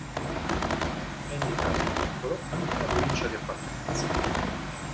È indicata, in piccolo, anche la provincia di appartenenza.